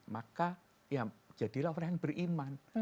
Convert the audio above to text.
maka ya jadilah orang yang beriman